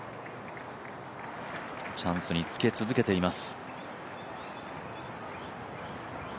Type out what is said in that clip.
チャンスにつけ続けています。